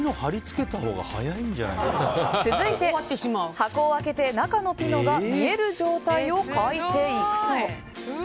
続いて、箱を開けて中のピノが見える状態を描いていくと。